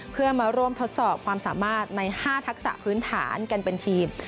เพื่อมาร่วมทดสอบความสามารถใน๕ทักษะพื้นฐานกันเป็นทีม